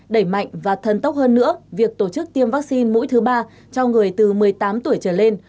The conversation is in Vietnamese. đẩy mạnh và thần tốc hơn nữa việc tổ chức tiêm vaccine mũi thứ ba cho người từ một mươi tám tuổi trở lên